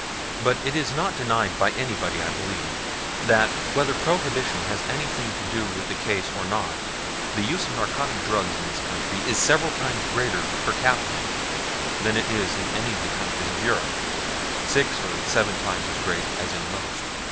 But it is not denied by anybody, I believe, that, whether Prohibition has anything to do with the case or not, the use of narcotic drugs in this country is several times greater per capita than it is in any of the countries of Europe six or seven times as great as in most.